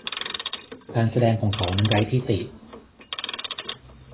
การแสดงของเขานั้นไร้ที่ติ